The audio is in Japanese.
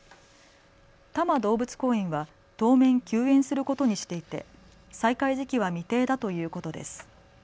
多摩動物公園は当面、休園することにしていて再開時期は未定だということです。